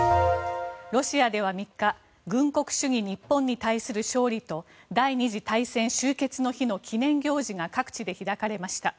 ロシアでは３日軍国主義日本に対する勝利と第２次大戦終結の日の記念行事が各地で開かれました。